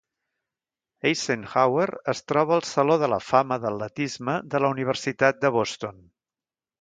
Eisenhauer es troba al Saló de la fama d'atletisme de la Universitat de Boston.